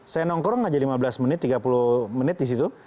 saya nongkrong aja lima belas menit tiga puluh menit di situ